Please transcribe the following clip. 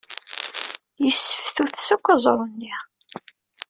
Yesseftutes akk aẓru-nni.